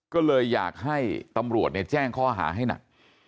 ก็เลยอยากให้ตำรวจแจ้งข้อหาให้หนัก